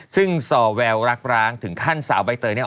ซึ่งซอแววรักร้างถึงขั้นสาวใบเตยเนี่ย